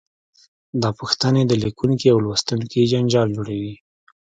دا پوښتنې د لیکونکي او لوستونکي جنجال جوړوي.